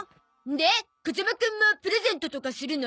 で風間くんもプレゼントとかするの？